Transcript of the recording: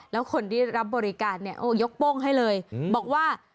แล้วคนที่รับบริการเนี่ยโอ้ยกโป้งให้เลยบอกว่า